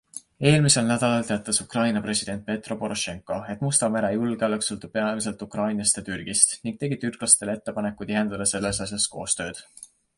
Eelmisel nädalal teatas Ukraina president Petro Porošenko, et Musta mere julgeolek sõltub peamiselt Ukrainast ja Türgist ning tegi türklastele ettepaneku tihendada selles asjas koostööd.